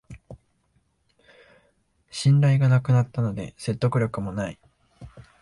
信頼がなくなったので説得力もない